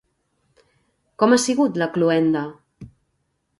Com ha sigut la cloenda?